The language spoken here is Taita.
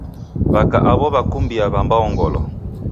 W'aka aw'o w'akumbia w'ambao ngolo.